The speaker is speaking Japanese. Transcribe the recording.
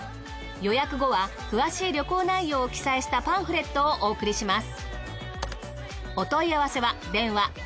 予約後は詳しい旅行内容を記載したパンフレットをお送りします。